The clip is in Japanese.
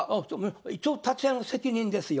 一応立会の責任ですよ。